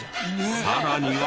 さらには。